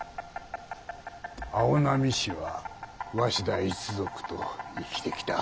青波市は鷲田一族と生きてきた。